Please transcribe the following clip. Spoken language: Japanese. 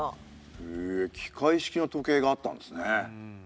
へえ機械式の時計があったんですね。